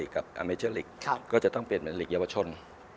กับก็จะต้องเป็นอย่าง